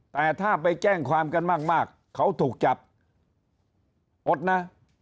แต่ถ้าไปแจ้งความกันมากเขาถูกจับอดนะ